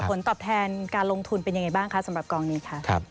ผลตอบแทนการลงทุนเป็นยังไงบ้างคะสำหรับกองนี้ค่ะ